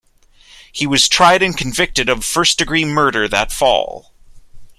He was tried and convicted of first degree murder that fall.